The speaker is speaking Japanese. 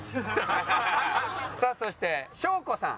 さあそして祥子さん。